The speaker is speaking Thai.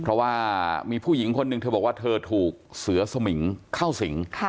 เพราะว่ามีผู้หญิงคนหนึ่งเธอบอกว่าเธอถูกเสือสมิงเข้าสิง